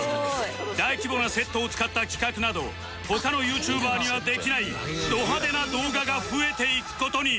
大規模なセットを使った企画など他の ＹｏｕＴｕｂｅｒ にはできないド派手な動画が増えていく事に